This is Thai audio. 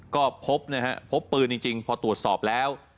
ก็พบนะฮะพบปืนจริงพอตรวจสอบแล้ว